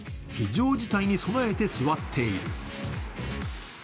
非常事態に備えて座っている。